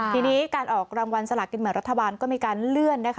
ทีนี้การออกรางวัลสลากินแบ่งรัฐบาลก็มีการเลื่อนนะคะ